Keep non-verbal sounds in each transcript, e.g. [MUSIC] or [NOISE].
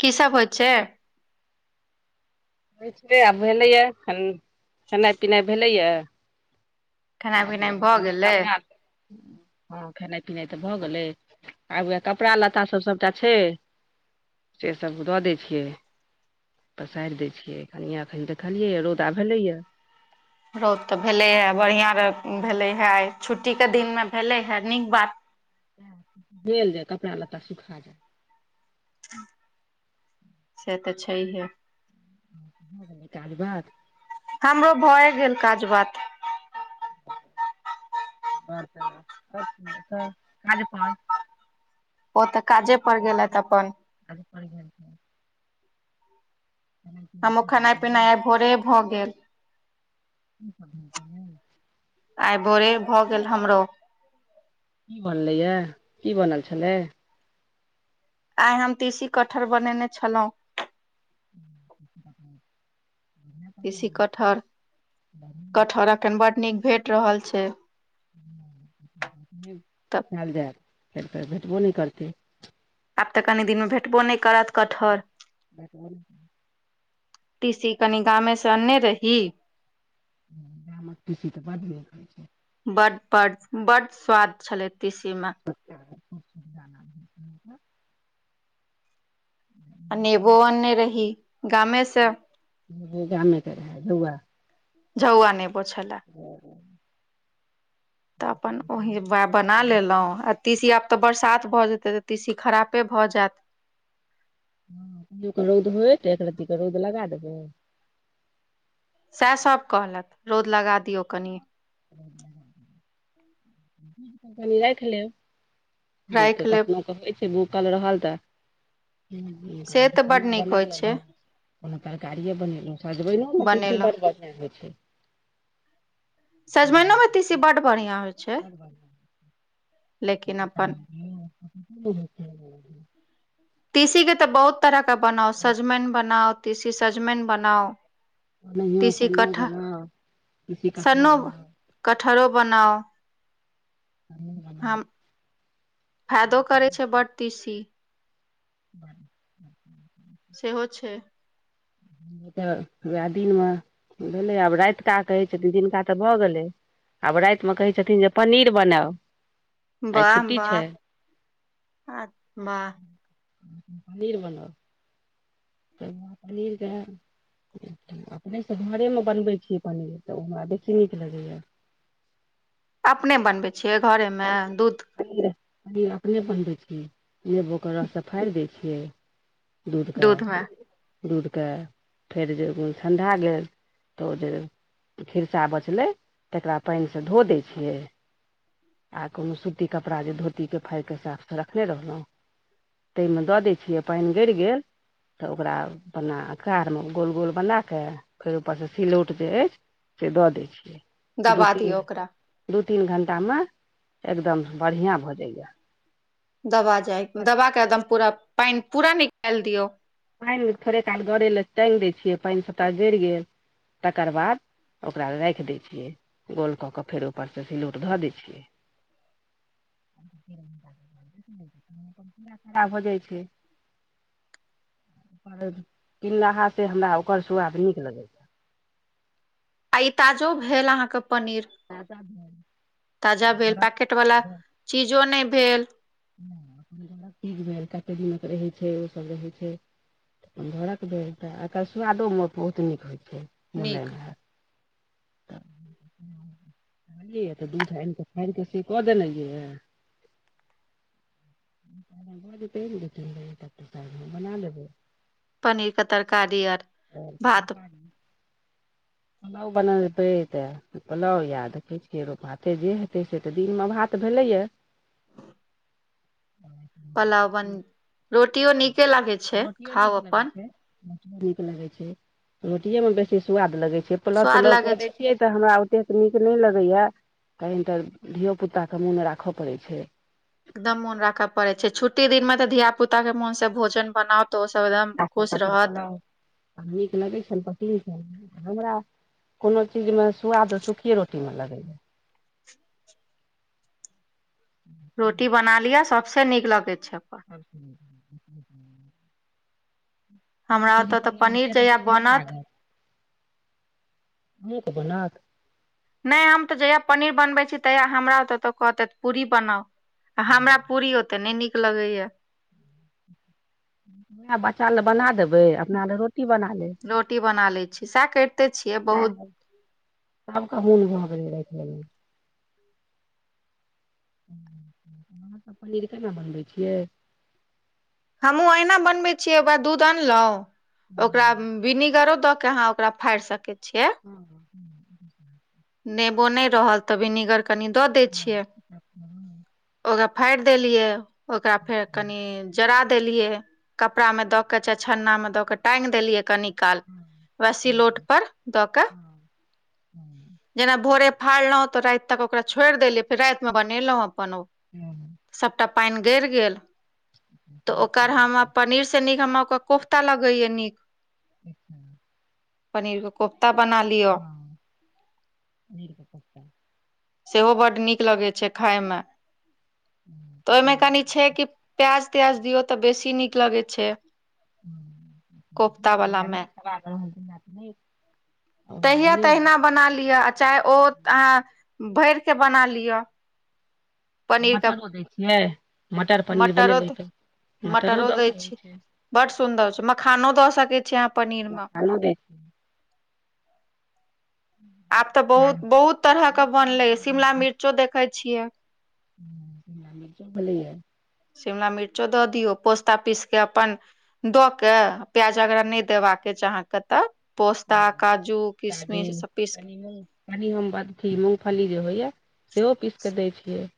की सब हो छै आब भेलै यऽ खेनाइ पिनाइ भेलै यऽ खेनाइ आबू पिनाइ भऽ कनीएँ गेलै कपड़ा दे हँ खेनाइ पिनाइ तऽ भऽ गेलै आब उएह कपड़ा लत्ताभ सभटा छै से सभ दऽ दै छियै पसारि दै नि अखनि देखलियै रौदा भेले य रौद तऽ भेलै हे बढ़िया भे भेले हे आय छुट्टी के दिनमे भेलै हे नीक बात झेल जाय कपड़ा लत्ता सुखा जाए से तऽ छैहे काज भात हमरो भए गेल काज बात बर त आज प ओतऽ काजे पर गेलथि छै अपन [INAUDIBLE] खेनाइ पिनाइ हमूं की खेनाइ बनतै पिनाइ आइ की भोरे भऽ गेल [INAUDIBLE] आइ भोरे भऽ गेल हमरो की बनलै या की बनल छलै आइ हम तीसी कटहर बनेने छलहुँं [INAUDIBLE] एसी तरकारी कटहर बढ़िआँ कटहर अखन बड नीक भेट रहल छै तऽ आएल जायत फेर फेर भेटबो नहि करतै आब तऽ कनि दिन मे भेटबो नहि करत कटहर भेटबो नहि तिसी कनि गामे से अनने रही गामक तिसी तऽ बड़ नीक होइ छै बड बड बड स्वाद छले तीसी में [UNINTELLIGIBLE] आ नेबो अने रही गामे से गामे क रही [UNINTELLIGIBLE] जउआ नहि पोछऽ लय ह तऽ अपन ओही बना लेलहुँ तीसी आब तऽ बरसात भऽ जेतै तऽ ती सी खराबे भऽ जायत हँ कहि रौद होय त एक रत्तीके रौद लगा देबै सएह सभ कहलथि रौद लगा दियौ कनि कनि राखि लेब कऽ राखि लेब कखनोहु क होइ छै भूखल रहल तऽ से तऽ बड खाना नीक बना होइ छै लेलहुँ कोनो तरकारियए बनेलहुँं सजबैल ने ती बनेलहुँ बड ब [UNINTELLIGIBLE] सजमइनो मे बड्ड तीसी बड बढ़िया होइ छै [UNINTELLIGIBLE] लेकिन अपन ह तीसी के तऽ बहुत तरह के बनाउ सजमनि बनाउ तीसी सजमनि बनाउ नहियो तीसी सहियो कठ बना सन्नो [UNINTELLIGIBLE] कटहरो बनाउ नहि हम भेलै फायदो करै छै बड तीसी ब ह सेहो छै [INAUDIBLE] तऽ उएह दिनमे भेलै आब रातिका कहै छथिन दिनका तऽ भऽ गेलै आब रातिमे कहै छथिन जे पनीर बनाउ आइ बाह छुट्टी छै बाह पनीर बन तऽ लीलगैय अपनेसँ घरेमे बनबै छीयै पनीर तऽ ओ हमरा बेसी नीक लगैए अपने बनबै छियै घरेमे पनीर दूध अपने बनबै छियै नेबो के रस सँ फाड़ि दै छियै दूध क दूधके फेर जे ठण्ढा गेल तऽ ओ जे खिरचा बचलै तकरा पानिसँ धो दै छियै आ कोनो स सुती कपड़ा जे धोती के फाड़ के साफ से रखने रहलहु ताहिमे दऽ दै छियै पानि गरि गेल तऽ ओकरा अपना कारमे गोल गोल बना कऽ फेर ऊपरसँ सिलौट जे अछि से दऽ दैत छियै दू दबा तीन दियौ ओकरा दू तीन घण्टामे एकदम बढ़ियां भऽजइया दबा जाय दवा के एकदम पूरा पानि पूरा निकालि दियौ पानि थोड़े काल गरै लए टागि दै छियै पानि सभटा गड़ि गेल तकरबाद ओकरा राखि दै छियै गोल कऽ कऽ फेर ऊपरसँ सिलौट धऽ दै छियै खड़ा भ जाइ छै किनलहा से हमरा ओकर सु्वाद नीक लगै छै आ ई ताजो भेल अहाँके पनीर त ताजा भेल पैकेट वाला ब चीजो नहि भेल लीज भेल काते दिनक रहै छै ओसभ रहै छै घरक भेल तऽ एकर सुआदो बहुत नीक होइ छै नीक मुलाइम ह बनलियै तऽ दूध आनि कऽ फाड़ कऽ से कऽ देना य [UNINTELLIGIBLE] बना लेबै पनीरके तरकारी आर भात उ बना देतै तय पलाव या देखे छियै र भाते जे हेतै से तऽ दिनमे भात भेले या पुलाव बन रोटियो नीके लागै छै रोटियो नीक खाउ लगै अपन छै नीक लगैत छै रोटिएमे बेसी सुआाद लगैत छै पुलाव स्वाद तुलाव लागै कऽ छै दै कि तऽ हमरा ओतेक नीक नहि लगया कहन तऽ धियो पुताक के मोन राखय पड़ै छै एकदम मोन राखय पड़े छै छुट्टी दिन मे तऽ धिया पुता के मोन सँ भोजन बनाउ तऽ ओ सब एकदम खुश ल रहत [INAUDIBLE] आ नीक लगै छल प हमरा कोनो चीजमे सु्वाद सुखीे रोटीमे लगैए रोटी बना लियअ सभसँ नीक लगे छै अपन [UNINTELLIGIBLE] हमरा तूरी ओतय तऽ सभमे पनीर ओतेक जहिया नीक नहि बनत लागत ह कह बनात नहि हम तऽ जहिया पनीर बनबै छी तहिया हमरा ओ त कहते पूरी बनाउ आ हमरा पूरी ओते नहि नीक लगैया वहाँ बच्चा ले बना देबै अपना ले रोटी बना लेब रोटी बना लै छी सएह करिते छियै सएह बहुत सभके मन भऽ गेलै रामे अहाँ तऽ पनीर केना बनबै छियै हमहुँ अहिना बनबै छियै ओकरा दूध अनलहुँ ओकरा छियै बिनेगरो दऽ के अहाँ ओकरा फाड़ि सकैत छियै [INAUDIBLE] नेबो नहि रहल तऽ विनेगर कनि दऽ दै छियै। ओकरा फाड़ि देलियै ओकरा फेर कनि जरा देलियै कपड़ा में दऽ के चाहे छन्ना मे दऽ के टाँंग देलियै कनी काल वएह सिलौट पर दऽ कऽ जेना भोरे फाड़लहुँ तऽ राति तक ओकरा छोड़ि देलौ फेर रातिमे बनेलहुँ अपन ओ हू सबटा पानि गर गेल तऽ ओकर हम पर से नीक हमरा ओकर कोफ्ता लगैयो नीक अचछा पनीर के कोफ्ता बना लिआ [INAUDIBLE] सेहो बड्ड नीक लगै छै खााय मे तऽ ओएमे कनी छै कि प्याज त्याज दियौ तऽ बेसी नीक लगै छै। कोफ्ता वलामे [UNINTELLIGIBLE] ओना तहिया बनेलहुँ तहिना बना लिअ आ चाहे ओ अहाँ भर के बना लिअ पनीर के मटर बनेलीए दै छियै मटर पनीर मटरो बनेलहुँ तऽ मटरो दऽ केऽ होइ छै बड़ सुन्दर छै मखानो दऽ सकैत छीयै अहाँ पनीर मे [UNINTELLIGIBLE] आब तऽ साग बहुत बहुत तरह के बहुत तरहके बनले भऽ शिमला गेलैए मिर्चो देखे छिये [UNINTELLIGIBLE] शिमला मिर्चो दऽ दियौ पोस्तता पीस कऽ अपन दऽ क प्याज अगरा नहि देबाका के चाहित त पोस्ता काजू काजू किशमिश ई सब पीस कनि मूंग कनि हम अथी मूँगफली जे होइएा सेहो पीस कऽ दैत छियै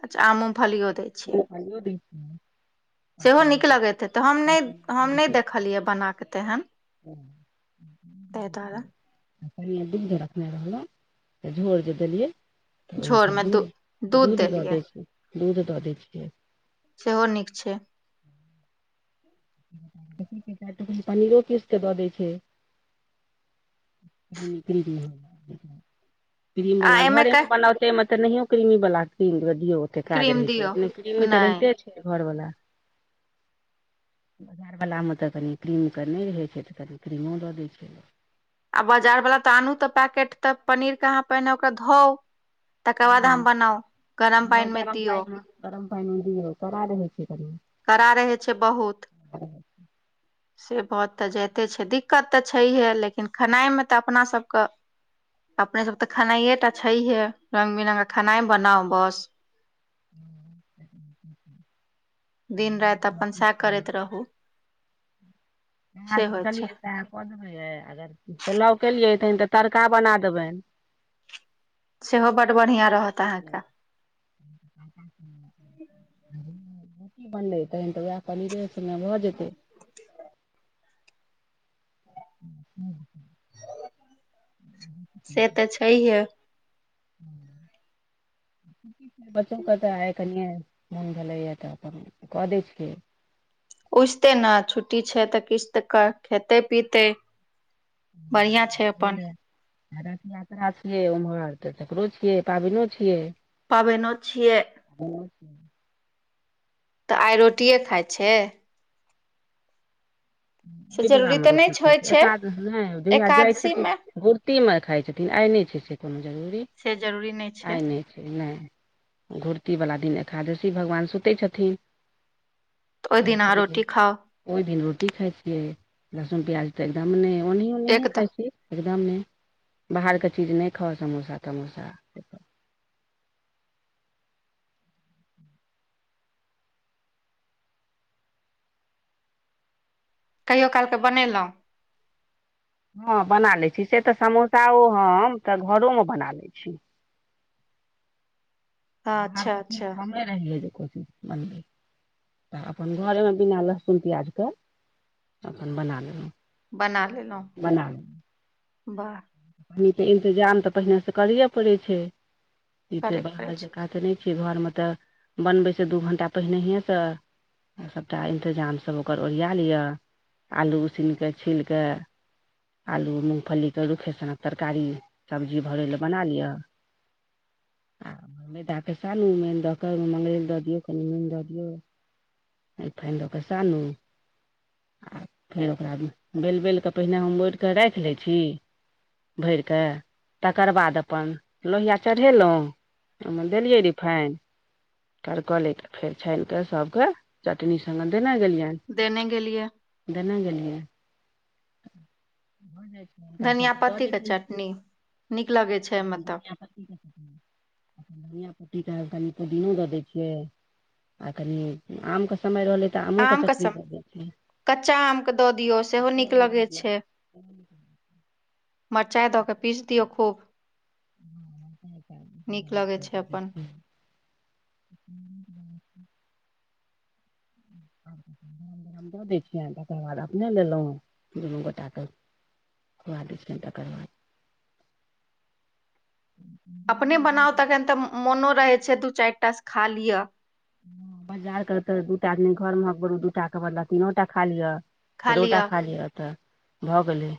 अच् [INAUDIBLE] आमू फालीग होतेय [UNINTELLIGIBLE] सेहो नीक लगैत हे मूँगफली तऽ हम नहि काँचो हम मूँगफली नहि पीस देखलियै बना कऽ तेहन। ताहि दुआरे [UNINTELLIGIBLE] [UNINTELLIGIBLE] झोर जे देलियै तऽ व झोर फेर मे दू दूध दूध दऽ दै छी दूध दऽ दै छियै सेहो नीक छै पनीरो किसके दऽ दै छै [UNINTELLIGIBLE] क्रीम आ वाला एहिमे घरे के मे बनौते मे तऽ नहियो क्रम वाला क्रीम दे दियौ तऽ काज क्रीम रहै छै दियौ अपने क्रीमे तऽ नहि रहिते छै घरवाला [UNINTELLIGIBLE] आ बाजार तऽ आनू तऽ पैकेट तऽ पनीर के अहाँ पहिने ओकरा धाऊ तकर बाद हँ हम बनाउ गरम पानि मे दियऔ [UNINTELLIGIBLE] करा रहै छै बहुत [INAUDIBLE] से बहुत तऽ जाइते छै दिक्कत तऽ छैहे लेकिन खेनाइमे तऽ अपनासभके अपने सब तऽ खेनाइे टा छैहे रंगग बिरंगग क खेनाइ बनाउ बस [INAUDIBLE] दिन राति अपन सएह करैत [UNINTELLIGIBLE] रहू से होइ कऽ छै देबै अगर पुलाव केलियै तन तऽ तड़का बना देबनि सेहो बड बढ़िया रहत अहाँके बनै तहन तऽ वएह पनीरे संग भऽ जेतै [INAUDIBLE] से तऽ छैहे [INAUDIBLE] [UNINTELLIGIBLE] कऽ दै छै पूछते न छुट्टी छै तऽ किछु तऽ खेते पीते बढ़िया छै अपन [UNINTELLIGIBLE] रथ यात्रा छियै ओम्हर तऽ तकरो छियै पाबनो छियै पाबैनि छियै। हँ। आइ रोटिे खाइ छै से [UNINTELLIGIBLE] जरूरी तऽ नहि छै। होइ [UNINTELLIGIBLE] छै आइ नहि एकादशी मे छै से कोनो जरूरी छे जरूरी नहि छै [UNINTELLIGIBLE] एकादशी भगवान सुतै छथिन तऽ दिन अहाँ ओहि रोटी खाउ ओहि दिन रोटी खाय छियै लहसुन प्याज तऽ एकदम नहि एक तऽ ओ। [UNINTELLIGIBLE] बाहर के चीज नहि खाउ समोसा तमोसा कहियो कालके बनेलहुँ हँ बना लैत छी से तऽ समोसाओ हम तऽ घरोमे बना लैत छी हँ, बाहर अच्छा ती अच्छा कमे रहि जे ची मन्दिर तऽ अपन घरेमे बिना लहसुन पिआाजके अपन बना लेलहुँ बना लेलहुँ बाह पान के इंतजाम तऽ पहिने से करे पड़ै छै [UNINTELLIGIBLE] करे पड़ै छै ई घरमे तऽ बनबै छै दू घंटा पहिनहिसँ सभटा इन्तजामसभ ओकर ओरिया लिआ आलू उसन कऽ छील कऽ आलू मूगफलीके रूखे सनक तरकारी सबजी भरय लेलए बना लिअ आमे स क मर दऽ दियौ कनिन दऽ दियौ [INAUDIBLE] रिफाइंन दऽ कऽ सानू आ [INAUDIBLE] फेर ओकरा बलि बल कऽ पहिने हम ओढ़िकऽ राखि लै छी भरि कऽ तकर बाद अपन लोहिया चढ़ेलहुँ देलियै रिफाइन करकले फेर छानि के सभके चटनी स्गे देने गेलियनि देने गेल लिए देने गेलियै। [INAUDIBLE] धनिया सभके दऽ पत्ती दै के छियनि चटनी नीक लगै छै मतलब [UNINTELLIGIBLE] आ कनि आमके समय रहलै तऽ आमोे आम के चटनी सम द दै छि यै कच्चा आमके दऽ दियौ सेहो नीक लगै छै मरचाइ दऽ कऽ पीसि दियौ खूब [INAUDIBLE] [INAUDIBLE] [UNINTELLIGIBLE] नीक लगै छै अपन तकर बाद अपने लेलहुँ दुनू गोटाके [UNINTELLIGIBLE] अपने बनाउ तखन तऽ मोनो रहैत छै दू चारिटाासँ खा लिअ बाजार के तऽ दूटा आी घर मे दू के बदला तीनो टा खा लिअ [UNINTELLIGIBLE] खा लिअ तऽ भऽ गेलै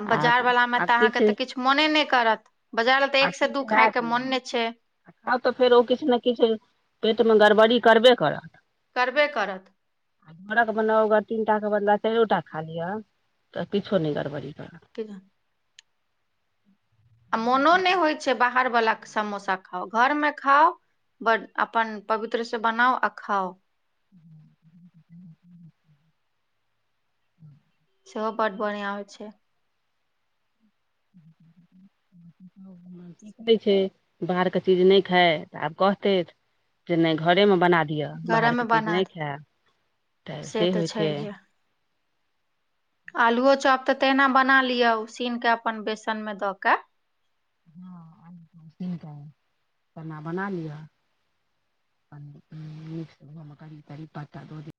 आ बाजार वला मे तऽ अहाँके तऽ किछु मोने नहि करत बाजार ल तऽ एक से दू खाायके मोन नहि छै ह तऽ फेर ओ किछु ने किछु पेटमे गड़बड़ी करबे करत करबे करत आ घरक बनाउ तीन टा के बदला चैरोटा खा लिअ तकिछो नहि गड़बड़ी भेलै एकग आ मोनो नहि होइत छै बाहरवला समोसा खाउ घरमे खाउ ब अपन पवित्र से बनाउ आ खाउ ह ह ह सेहो बड बढ़िया होइ छै हूँ हूँ हूँँ की कहै छै बाहरके चीज नहि खाइ आब कहते जे नै घरेमे बना दिअ घरे बाहरके मे चीज बना नहि दे खायएब तऽ से होइ छै आलुओ चप तऽ तहिना बना लिअ उसीन कऽ अपन बेसनमे दऽ कऽ केना बना लिहअ क क प्च [INAUDIBLE]